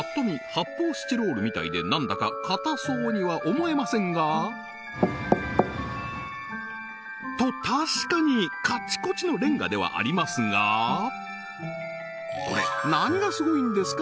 発泡スチロールみたいで何だかかたそうには思えませんがと確かにカチコチのレンガではありますがこれ何がすごいんですか？